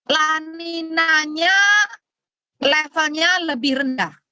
laninanya levelnya lebih rendah